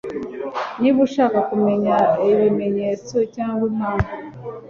niba ushaka kumenya ibimenyetso cyangwa impamvu